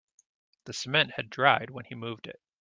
The cement had dried when he moved it.